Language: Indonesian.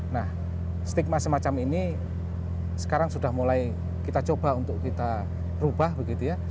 nah stigma semacam ini sekarang sudah mulai kita coba untuk kita rubah begitu ya